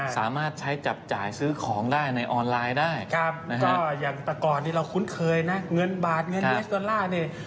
สามารถใช้จับจ่ายซื้อของได้ในออนไลน์ได้ครับนะฮะก็อย่างแต่ก่อนนี้เราคุ้นเคยนะเงินบาทเงินเอสดอลลาร์เนี่ย